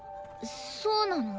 そうなの。